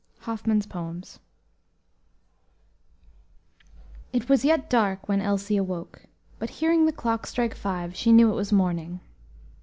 HOFFMAN'S Poems. It was yet dark when Elsie awoke, but, hearing the clock strike five, she knew it was morning.